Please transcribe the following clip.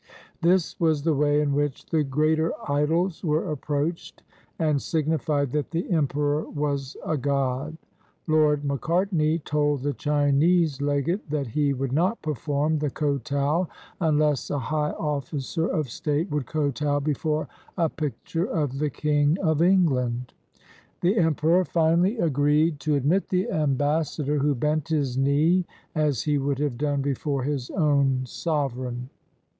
This was the way in which the greater idols were ap proached and signified that the emperor was a god. Lord Macartney told the Chinese legate that he would not perform the kotow unless a high officer of state would kotow before a picture of the King of England. The emperor finally agreed to admit the ambassador, who bent his knee, as he would have done before his own sovereign.